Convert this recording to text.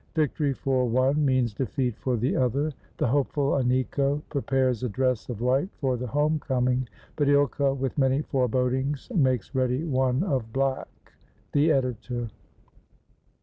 Victory for one means defeat for the other. The hopeful Aniko prepares a dress of white for the home coming; but Ilka, with many forebodings, makes ready one of black. The Editor.